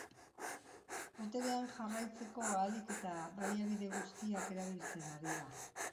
Boterean jarraitzeko ahalik eta baliabide guztiak erabiltzen ari da.